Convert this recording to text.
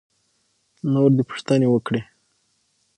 نور دې پوښتنې وکړي.